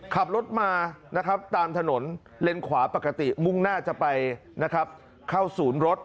ขับรถมาตามถนนเลลนขวาปกติมุ่งหน้าจะไปเข้าศูนย์รถ